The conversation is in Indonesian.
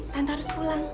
tante harus pulang